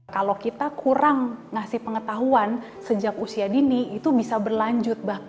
kalau kita kurang ngasih pengetahuan sejak usia dini itu bisa berlanjut